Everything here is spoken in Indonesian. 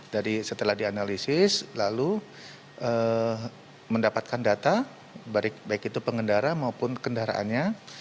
jadi setelah dianalisis lalu mendapatkan data baik itu pengendara maupun kendaraannya